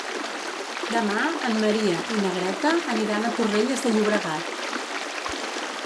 Demà en Maria i na Greta aniran a Torrelles de Llobregat.